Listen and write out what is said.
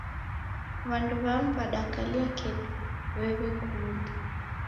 W'andu w'amu w'adakalia kedi w'ekukunda